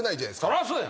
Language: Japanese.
そらそうや！